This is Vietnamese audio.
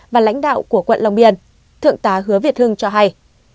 và lãnh đạo của quận long biên thượng tá hứa việt hưng cho hay